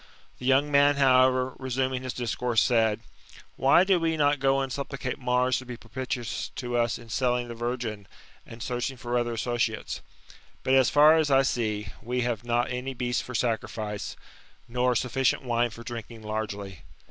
The young man, however, resuming his discourse, said :Why do we not go and supplicate Mars to be propitious to us in selling the virgin, and searching for other associates ? But, as far as I see, we have not any beast for sacrifice, nor snfficient wine for drinking largely.